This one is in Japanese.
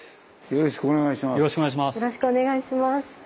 よろしくお願いします。